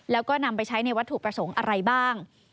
แล้วก็นำไปใช้ในวัตถุประสงค์อะไรบ้าง